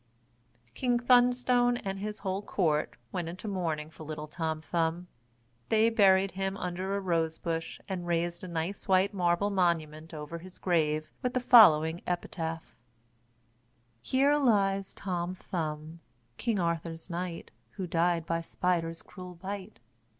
King Thunstone and his whole court went into mourning for little Tom Thumb. They buried him under a rosebush, and raised a nice white marble monument over his grave, with the following epitaph: "Here lies Tom Thumb, King Arthur's knight, Who died by spider's cruel bite.